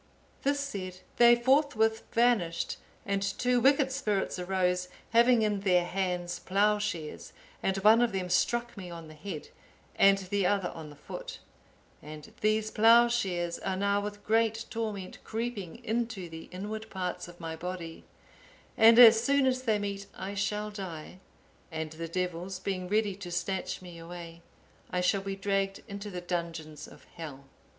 This said, they forthwith vanished, and two wicked spirits arose, having in their hands ploughshares, and one of them struck me on the head, and the other on the foot. And these ploughshares are now with great torment creeping into the inward parts of my body, and as soon as they meet I shall die, and the devils being ready to snatch me away, I shall be dragged into the dungeons of hell."